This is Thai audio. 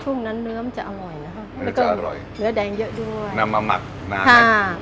ช่วงนั้นเนื้อมันจะอร่อยนะฮะเนื้อจะอร่อยเนื้อแดงเยอะด้วยนำมาหมักน้ำไหมค่ะ